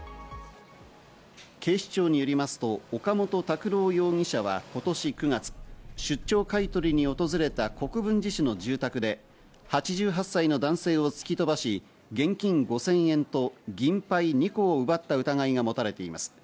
警視庁によりますと岡本拓朗容疑者は今年９月、出張買い取りに訪れた国分寺市の住宅で８８歳の男性を突き飛ばし、現金５０００円と銀杯２個を奪った疑いが持たれています。